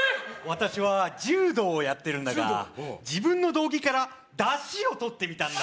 私は柔道をやってるんだが自分の道着からダシをとってみたんだ